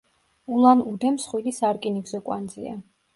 ულან-უდე მსხვილი სარკინიგზო კვანძია.